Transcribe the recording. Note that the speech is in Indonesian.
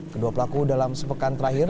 kedua pelaku dalam sepekan terakhir